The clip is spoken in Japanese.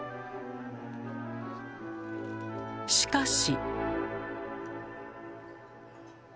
しかし。